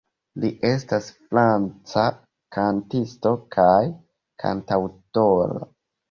Li estas franca kantisto kaj kantaŭtoro.